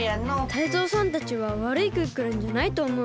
タイゾウさんたちはわるいクックルンじゃないとおもうんだ。